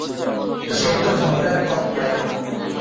সে তো ঝগড়ার পথ নয়।